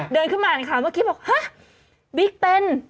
เดินขึ้นมาอ่านข่าวเมื่อกี้บอกฮะบิ๊กเต้น